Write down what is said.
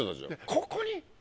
ここに！